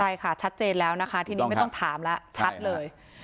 ใช่ค่ะชัดเจนแล้วนะคะทีนี้ไม่ต้องถามแล้วชัดเลย